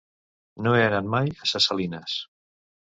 No he anat mai a Ses Salines.